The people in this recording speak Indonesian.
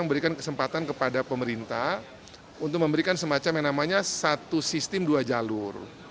memberikan kesempatan kepada pemerintah untuk memberikan semacam yang namanya satu sistem dua jalur